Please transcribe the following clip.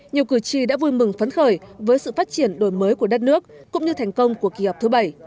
nhiều cử tri đã vui mừng phấn khởi với sự phát triển đổi mới của đất nước cũng như thành công của kỳ họp thứ bảy